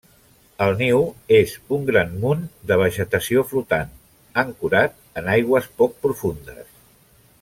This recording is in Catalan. El niu és un gran munt de vegetació flotant, ancorat en aigües poc profundes.